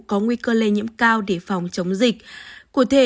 có nguy cơ lây nhiễm cao để phòng chống dịch